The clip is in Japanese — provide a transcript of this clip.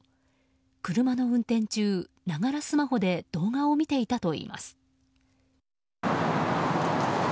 車の運転中、ながらスマホで動画を見ていたといいます。